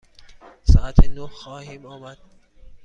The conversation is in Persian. ساعت نه خواهیم آمد.